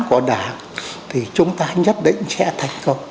của đảng thì chúng ta nhất định sẽ thành công